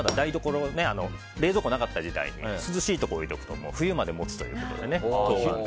冷蔵庫なかった時代に涼しいところに置いておくと冬まで持つということで。